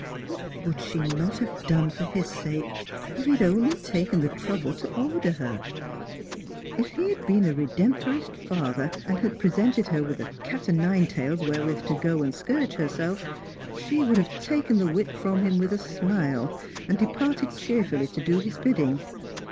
What would she not have done for hia sake, if he had only taken the trouble to order her. If he had been a Redemptorist father, and had presented her with a cat o' nine tails wherewith to go and scourge herself, she would have taken the whip from him with a smile, and departed cheerfully to do his bidding.